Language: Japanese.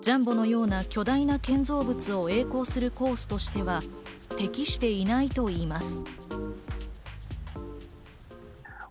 ジャンボのような巨大な建造物をえい航するコースとしては適していないと言います。